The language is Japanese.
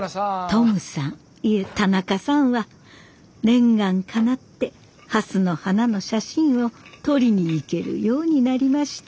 トムさんいえ田中さんは念願かなって蓮の花の写真を撮りに行けるようになりました。